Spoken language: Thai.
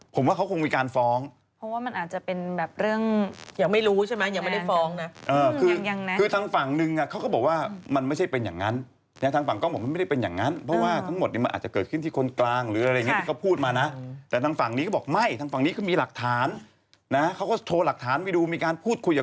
ผมแค่มาพูดด้วยฟังนะครับมาอัปเดตความคลื่นไหวของกิจกรรมจากอีชิตันรหัสรวยเปลี่ยงฝาดีเอลสี่คันมาอีกแล้ว